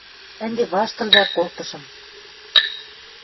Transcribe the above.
ӹнде ваштыл, вӓк, колтышым.